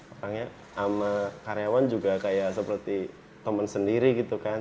orangnya sama karyawan juga kayak seperti teman sendiri gitu kan